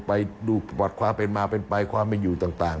ไปดูประวัติความเป็นมาเป็นไปความเป็นอยู่ต่าง